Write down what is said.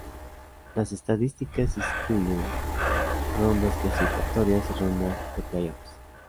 Las estadísticas excluyen rondas clasificatorias y rondas de play-off.